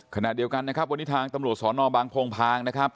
ขณะเดียวกันนะครับวันนี้ทางตำรวจสอนอบางโพงพางนะครับ